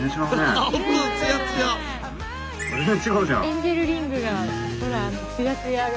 エンジェルリングが！